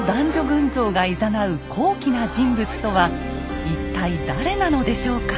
群像がいざなう高貴な人物とは一体誰なのでしょうか？